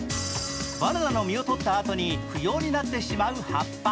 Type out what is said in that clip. バナナの実を取ったあとに不要になってしまう葉っぱ。